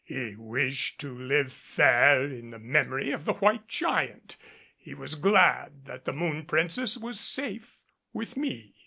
He wished to live fair in the memory of the White Giant, he was glad that the Moon Princess was safe with me.